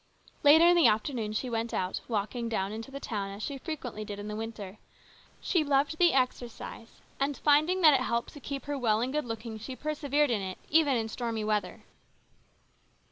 Later in the afternoon she went out, walking down into the town, as she frequently did in the winter. She loved the exercise, and finding that it helped to keep her well and good looking she persevered in it, even in stormy weather.